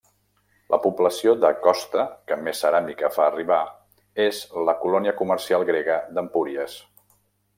La població de costa que més ceràmica fa arribar és la colònia comercial grega d’Empúries.